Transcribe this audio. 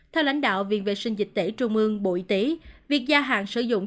theo lãnh đạo viện vệ sinh dịch tễ trung ương bộ y tế việc gia hạn sử dụng